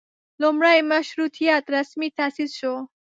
لومړۍ مشروطیت رسمي تاسیس شو.